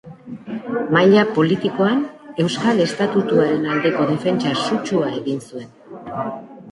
Maila politikoan euskal estatutuaren aldeko defentsa sutsua egin zuen.